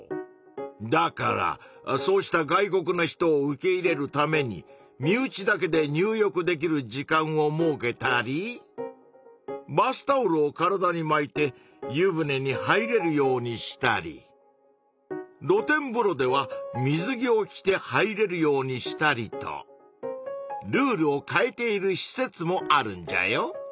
だからそうした外国の人を受け入れるために身内だけで入浴できる時間を設けたりバスタオルを体にまいて湯船に入れるようにしたりろ天ぶろでは水着を着て入れるようにしたりとルールを変えているし設もあるんじゃよ。